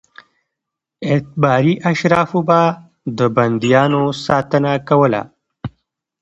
اعتباري اشرافو به د بندیانو ساتنه کوله.